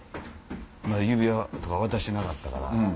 指輪とか渡してなかったから。